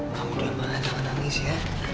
kamu jangan marah jangan nangis ya